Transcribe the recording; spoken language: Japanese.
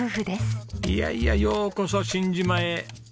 いやいやようこそ新島へ。